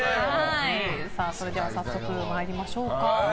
それでは早速参りましょうか。